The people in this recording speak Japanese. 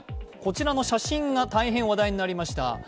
こちらの写真が大変話題になりました。